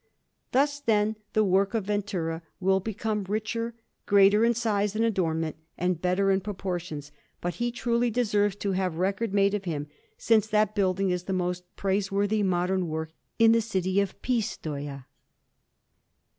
Thus, then, the work of Ventura will become richer, greater in size and adornment, and better in proportions; but he truly deserves to have record made of him, since that building is the most noteworthy modern work in the city of Pistoia.